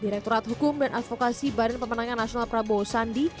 direkturat hukum dan advokasi badan pemenangan nasional prabowo sandi